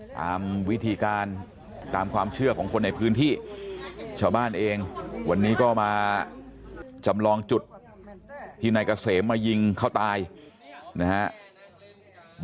ตามวิธีการตามความเชื่อของคนในพื้นที่ชาวบ้านเองวันนี้ก็มาจำลองจุดที่นายเกษมมายิงเขาตายนะฮะ